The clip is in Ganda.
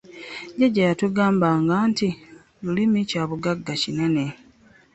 Jjajja yatugambanga nti ,lulimi ky'abuggaga kinene